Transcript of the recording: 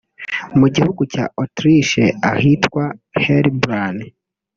Mu gihugu cya Autriche ahitwa Hellbrun